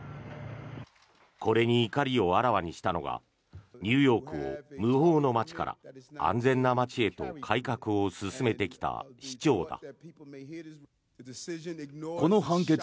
これに怒りをあらわにしたのがニューヨークを無法の街から安全な街へと改革を進めてきた市長だ。